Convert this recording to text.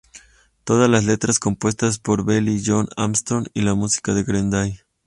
Todas las letras compuestas por Billie Joe Armstrong y la música por Green Day